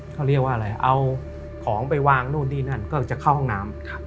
เขาเรียกว่าอะไรเอาของไปวางนู่นนี่นั่นก็จะเข้าห้องน้ำ